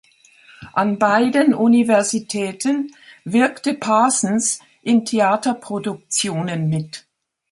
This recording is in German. An beiden Universitäten wirkte Parsons in Theaterproduktionen mit.